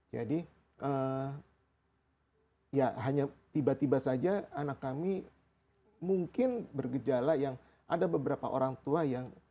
jadi ya hanya tiba tiba saja anak kami mungkin bergejala yang ada beberapa orang tua yang